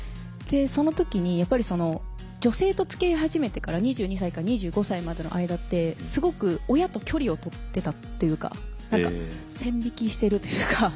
その時にやっぱり女性とつきあい始めてから２２歳から２５歳までの間ってすごく親と距離を取ってたっていうか何か線引きしてるというか。